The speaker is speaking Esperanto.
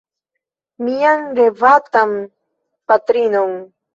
Mian revatan patrinon.